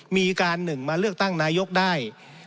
มีการหนึ่งมาเลือกตั้งนายกได้